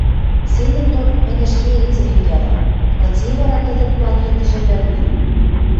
Седӹндон мӹнь ӹшке гӹцӹнем ядам: «Кыце вара тӹдӹн планетӹжӹ вӹлнӹ?